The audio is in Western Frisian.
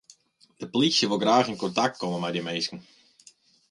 De plysje wol graach yn kontakt komme mei dy minsken.